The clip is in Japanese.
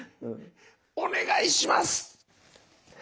お願いします！